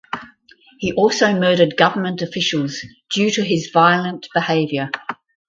He also murdered government officials due to his violent behavior.